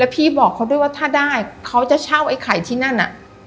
พี่บอกเขาด้วยว่าถ้าได้เขาจะเช่าไอ้ไข่ที่นั่นน่ะ